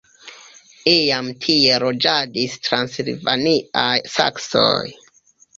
Iam tie loĝadis transilvaniaj saksoj.